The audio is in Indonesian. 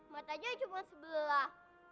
matanya cuma sebelah